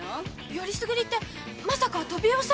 よりすぐりってまさかトビウオ三兄弟？